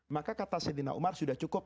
maka kata sayyidina umar sudah cukup